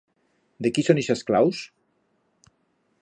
De quí son ixas claus?